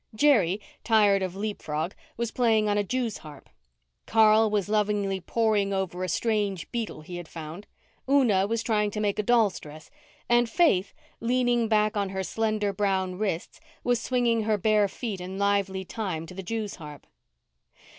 Jerry, tired of leap frog, was playing on a jew's harp. Carl was lovingly poring over a strange beetle he had found; Una was trying to make a doll's dress, and Faith, leaning back on her slender brown wrists, was swinging her bare feet in lively time to the jew's harp.